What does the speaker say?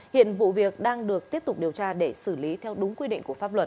hiện vụ việc đang được tiếp tục điều tra để xử lý theo đúng quy định của pháp luật